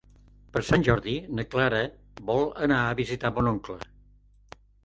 Per Sant Jordi na Clara vol anar a visitar mon oncle.